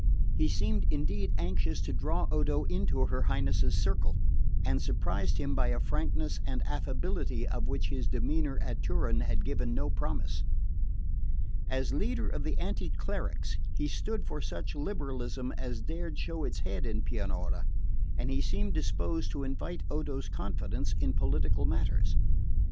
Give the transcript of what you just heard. He seemed indeed anxious to draw Odo into her Highness's circle, and surprised him by a frankness and affability of which his demeanour at Turin had given no promise. As leader of the anti clericals he stood for such liberalism as dared show its head in Pianura; and he seemed disposed to invite Odo's confidence in political matters.